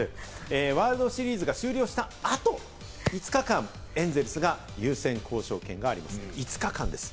ワールドシリーズが終了した後、５日間、エンゼルスが優先交渉権があります。